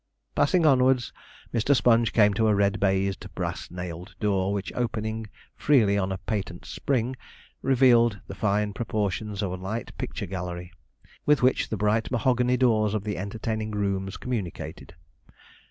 Passing onward, Mr. Sponge came to a red baized, brass nailed door, which, opening freely on a patent spring, revealed the fine proportions of a light picture gallery with which the bright mahogany doors of the entertaining rooms communicated.